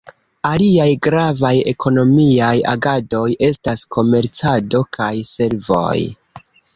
Aliaj gravaj ekonomiaj agadoj estas komercado kaj servoj.